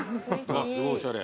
あっすごいおしゃれ。